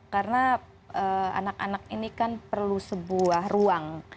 karena anak anak ini kan perlu sebuah ruang